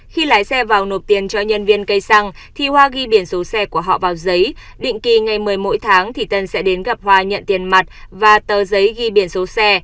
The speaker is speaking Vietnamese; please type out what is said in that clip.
khi lái xe vào nộp tiền cho nhân viên cây xăng thì hoa ghi biển số xe của họ vào giấy định kỳ ngày một mươi mỗi tháng thì tân sẽ đến gặp hoa nhận tiền mặt và tờ giấy ghi biển số xe